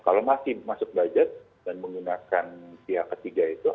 kalau masih masuk budget dan menggunakan pihak ketiga itu